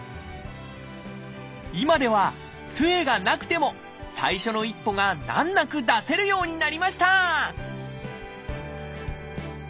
今ではつえがなくても最初の一歩が難なく出せるようになりました！